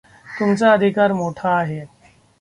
तुमचा अधिकार मोठा आहे.